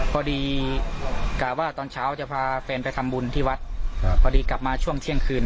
กะว่าตอนเช้าจะพาแฟนไปทำบุญที่วัดพอดีกลับมาช่วงเที่ยงคืน